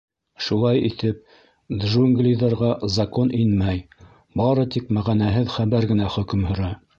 Шулай итеп, джунглиҙарға Закон инмәй, бары тик мәғәнәһеҙ хәбәр генә хөкөм һөрә.